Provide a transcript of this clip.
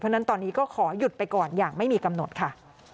เพราะฉะนั้นตอนนี้ก็ขอหยุดไปก่อนอย่างไม่มีกำหนดค่ะ